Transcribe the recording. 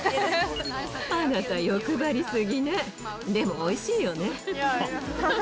あなた欲張り過ぎね、でもおいしいよね。